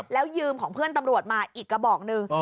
แล้วยืมของเพื่อนตำรวจมาอีกกระบอกหนึ่ง